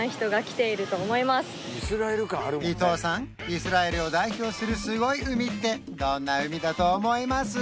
イスラエルを代表するすごい海ってどんな海だと思います？